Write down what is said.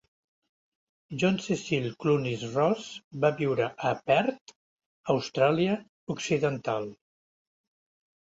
John Cecil Clunies-Ross va viure a Perth, Austràlia Occidental.